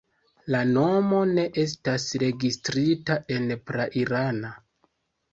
La nomo ne estas registrita en pra-irana.